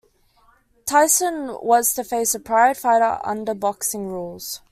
Tyson was to face a Pride fighter under boxing rules.